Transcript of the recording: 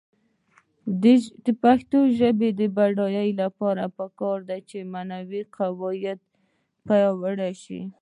د پښتو ژبې د بډاینې لپاره پکار ده چې معنايي قواعد پیاوړې شي.